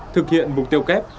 thực hiện mục tiêu kép